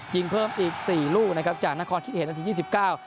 ยิงเพิ่มอีกสี่ลูกนะครับจากนครคิดเห็นนาทียี่สิบเก้า